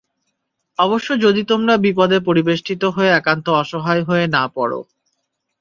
অবশ্য যদি তোমরা বিপদে পরিবেষ্টিত হয়ে একান্ত অসহায় হয়ে না পড়।